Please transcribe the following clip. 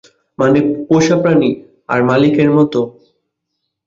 মানে, পোষাপ্রাণী আর মালিকের মতো?